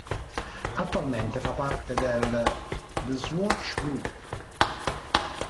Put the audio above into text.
Attualmente fa parte del The Swatch Group.